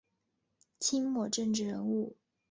清末政治人物。